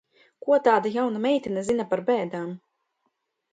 Ko tāda jauna meitene zina par bēdām?